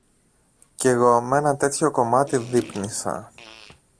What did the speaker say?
Κι εγώ μ' ένα τέτοιο κομμάτι δείπνησα.